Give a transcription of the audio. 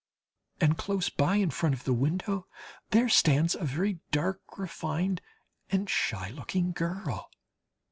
And close by, in front of the window, there stands a very dark, refined, and shy looking girl.